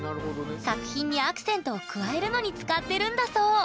作品にアクセントを加えるのに使ってるんだそう。